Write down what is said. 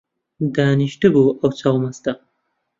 دانیشتبوو ئەو چاو مەستە